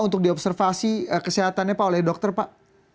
untuk diobservasi kesehatannya pak oleh dokter pak